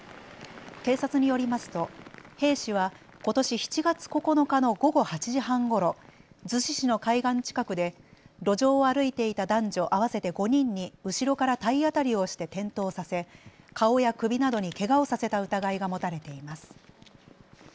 警察によりますと兵士はことし７月９日の午後８時半ごろ逗子市の海岸近くで路上を歩いていた男女合わせて５人に後ろから体当たりをして転倒させ顔や首などにけがをさせた疑いが持たれています。